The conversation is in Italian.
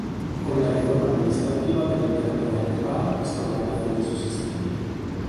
Con la riforma amministrativa dell'imperatore Akbar questo grado fu reso sistemico.